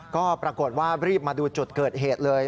ก็ปรากฏว่ารีบมาดูจุดเกิดเหตุเลย